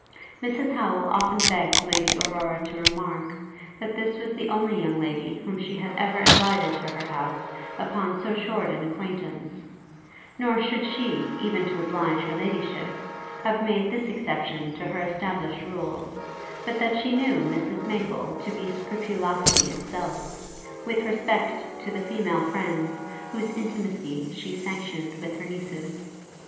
Mrs Howel often begged Lady Aurora to remark, that this was the only young lady whom she had ever invited to her house upon so short an acquaintance; nor should she, even to oblige Her Ladyship, have made this exception to her established rules, but that she knew Mrs Maple to be scrupulosity itself, with respect to the female friends whose intimacy she sanctioned with her nieces.